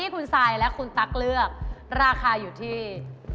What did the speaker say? คุณซายและคุณตั๊กเลือกราคาอยู่ที่